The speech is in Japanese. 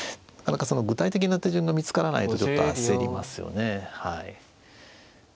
なかなか具体的な手順が見つからないとちょっと焦りますよね。